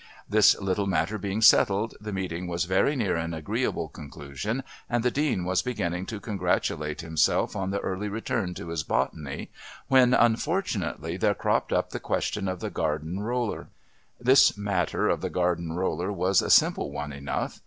This little matter being settled, the meeting was very near an agreeable conclusion and the Dean was beginning to congratulate himself on the early return to his botany when, unfortunately, there cropped up the question of the garden roller. This matter of the garden roller was a simple one enough.